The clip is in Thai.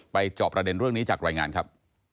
จอบประเด็นเรื่องนี้จากรายงานครับ